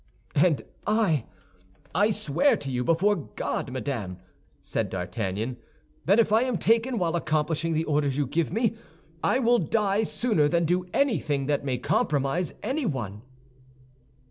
"And I—I swear to you before God, madame," said D'Artagnan, "that if I am taken while accomplishing the orders you give me, I will die sooner than do anything that may compromise anyone."